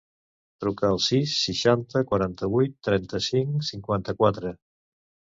Truca al sis, seixanta, quaranta-vuit, trenta-cinc, cinquanta-quatre.